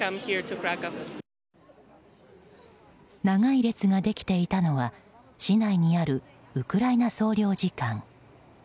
長い列ができていたのは市内にあるウクライナ総領事館。